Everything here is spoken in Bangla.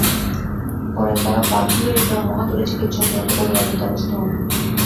পরে তাঁরা বাধ্য হয়ে গ্রাম্য হাতুড়ে চিকিৎসক, নয়তো কবিরাজের দ্বারস্থ হন।